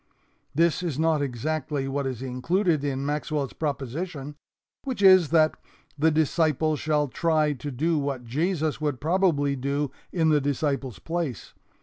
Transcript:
This is not exactly what is included in Maxwell's proposition, which is that the disciple shall try to do what Jesus would probably do in the disciple's place.